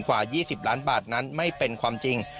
กว่า๒๐ล้านบาทนั้นไม่เป็นความจริง